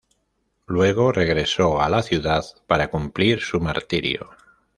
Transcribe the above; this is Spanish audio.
Luego regresó a la ciudad para cumplir su martirio.